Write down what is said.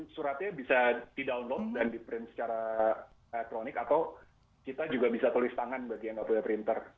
suratnya bisa didownload dan diprint secara elektronik atau kita juga bisa tulis tangan bagi yang tidak punya penyusup